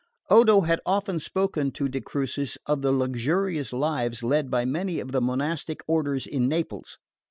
Odo had often spoken to de Crucis of the luxurious lives led by many of the monastic orders in Naples.